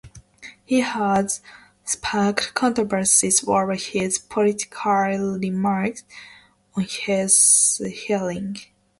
He has sparked controversies over his political remarks on his hearings.